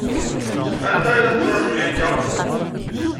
Anta i la tettṛaǧu akka?